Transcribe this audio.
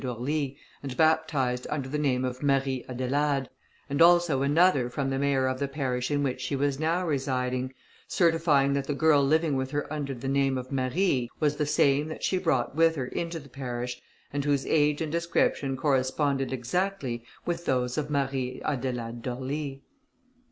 d'Orly, and baptized under the name of Marie Adelaide, and also another from the mayor of the parish in which she was now residing, certifying that the girl living with her under the name of Marie, was the same that she brought with her into the parish, and whose age and description corresponded exactly with those of Marie Adelaide d'Orly.